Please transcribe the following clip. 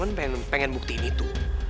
tapi temen temen pengen buktiin itu